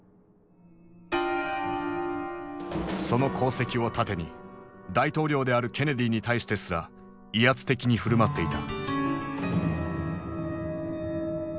その功績を盾に大統領であるケネディに対してすら威圧的に振る舞っていた。